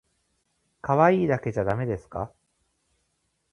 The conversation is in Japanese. かわいいだけじゃだめですか？